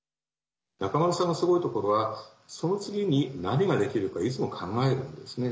中村さんのすごいところはその次に何ができるかいつも考えるんですね。